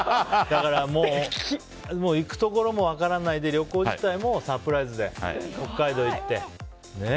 だからもう行くところも分からないで旅行自体もサプライズで北海道行って。